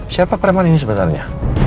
siapa preman ini sebenarnya